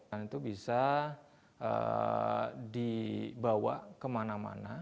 dan itu bisa dibawa kemana mana